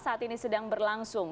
saat ini sedang berlangsung